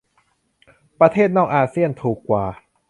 ประเทศนอกอาเซี่ยนถูกกว่า